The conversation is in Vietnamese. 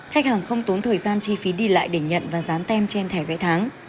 khách hàng không tốn thời gian chi phí đi lại để nhận và dán tem trên thẻ vé tháng